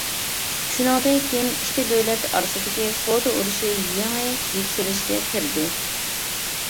شۇنىڭدىن كېيىن ئىككى دۆلەت ئارىسىدىكى سودا ئۇرۇشى يېڭى يۈكسىلىشكە كىردى.